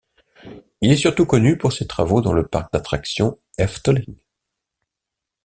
Il est surtout connu pour ses travaux dans le parc d'attractions Efteling.